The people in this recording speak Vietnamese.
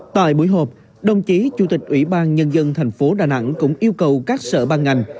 tại buổi họp đồng chí chủ tịch ủy ban nhân dân thành phố đà nẵng cũng yêu cầu các sở ban ngành